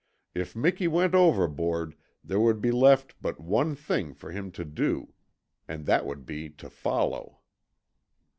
If Miki went overboard there would be left but one thing for him to do and that would be to follow.